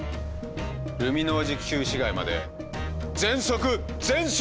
ルミノージ旧市街まで全速前進！